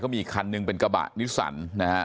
มีอีกคันหนึ่งเป็นกระบะนิสสันนะฮะ